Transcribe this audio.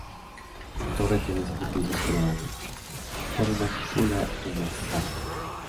Su torre tiene siete pisos coronado por una cúpula en mansarda.